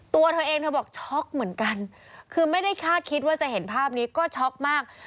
ตัวเธอเองเธอบอกช็อกเหมือนกันคือไม่ได้คาดคิดว่าจะเห็นภาพนี้ก็ช็อกมาก